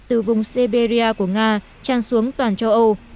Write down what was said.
từ vùng seberia của nga tràn xuống toàn châu âu